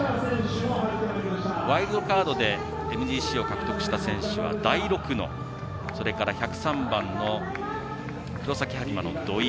ワイルドカードでＭＧＣを獲得した選手は大六野、それから１０３番の黒崎播磨の土井。